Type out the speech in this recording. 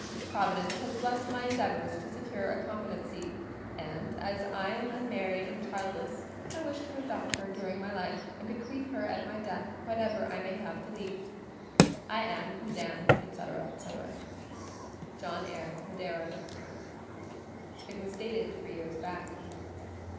Providence has blessed my endeavours to secure a competency; and as I am unmarried and childless, I wish to adopt her during my life, and bequeath her at my death whatever I may have to leave. I am, Madam, &c., &c., "JOHN EYRE, Madeira." It was dated three years back.